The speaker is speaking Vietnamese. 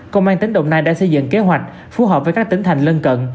công an tỉnh đồng nai đã xây dựng kế hoạch phù hợp với các tỉnh thành lân cận